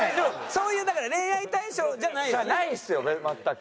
そういうだから恋愛対象じゃない？じゃないんですよ全く。